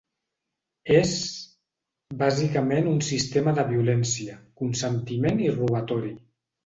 És... bàsicament un sistema de violència, consentiment i robatori.